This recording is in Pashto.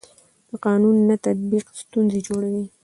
د قانون نه تطبیق ستونزې جوړوي